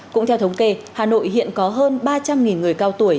cũng theo thống kê hà nội hiện có hơn ba trăm linh người cao tuổi